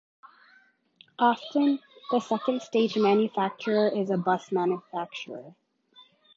Often, the second stage manufacturer is a bus manufacturer.